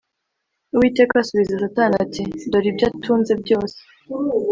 Uwiteka asubiza Satani ati “Dore ibyo atunze byose